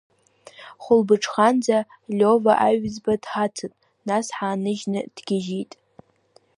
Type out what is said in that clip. Хәылбыҽханӡа Лиова Аҩӡба дҳацын, нас ҳааныжьны дгьежьит.